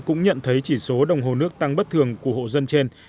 cũng nhận thấy chỉ số đồng hồ nước tăng bất thường của hộ dân trên